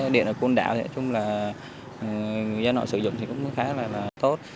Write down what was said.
điện ở côn đảo thì ở chung là do nội sử dụng thì cũng khá là tốt